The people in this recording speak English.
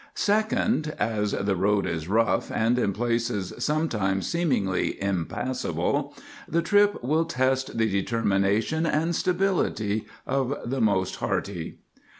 Second, as the road is rough and in places sometimes seemingly impassable, the trip will test the determination and stability of the most hearty.